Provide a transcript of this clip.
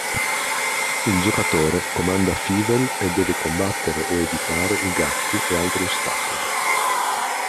Il giocatore comanda Fievel e deve combattere o evitare i gatti e altri ostacoli.